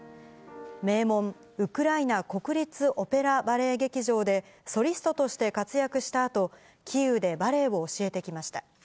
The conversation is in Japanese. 名門、ウクライナ国立オペラバレエ劇場で、ソリストとして活躍したあと、キーウでバレエを教えてきました。